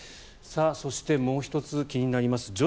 そして、もう１つ気になります